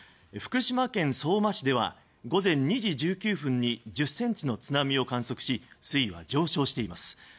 福島県相馬市では午前２時１９分に１０ｃｍの津波を観測し水位は上昇しています。